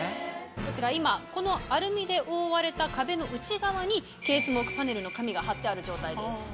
こちら今このアルミで覆われた壁の内側にＫ／ＳＭＯＫＥＰＡＮＥＬの紙が張ってある状態です。